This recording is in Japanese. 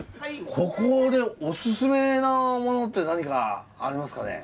ここでおすすめなものって何かありますかね？